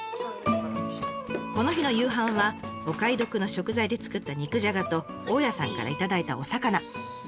この日の夕飯はお買い得の食材で作った肉じゃがと大家さんから頂いたお魚。